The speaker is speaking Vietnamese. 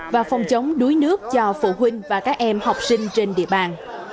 và phòng chống đuối nước cho phụ huynh và các em học sinh trên địa bàn